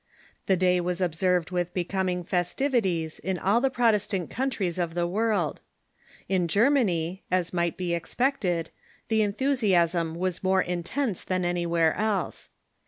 The day was observed with becoming festivities in all the Protestant countries of the 282 THE REFORMATION world. In Germany, as might be expected, the enthusiasm was more intense tlian anywhere else.